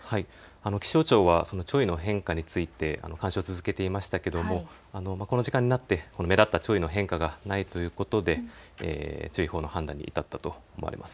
気象庁は潮位の変化について監視を続けていましたけれども、この時間になって目立った潮位の変化がないということで注意報の判断に至ったと思われます。